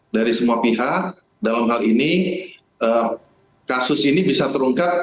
dari semua pihak dalam hal ini kasus ini bisa terungkap